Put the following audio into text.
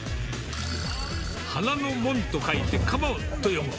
花の門と書いてかもんと読む。